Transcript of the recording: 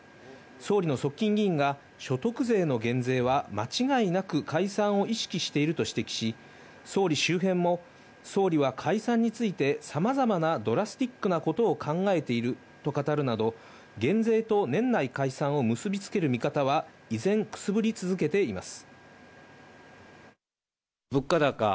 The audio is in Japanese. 総理の側近議員が所得税の減税は間違いなく解散を意識していると指摘し、総理周辺も、総理は解散についてさまざまなドラスティックなことを考えていると語るなど、減税と年内解散を結びつける見方は依然くすぶり続けています。